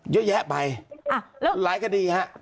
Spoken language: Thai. เยอะแยะไปหลายคดีฮะ